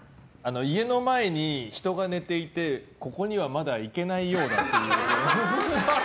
家の前に人が寝ていてここにはまだ行けないようだ。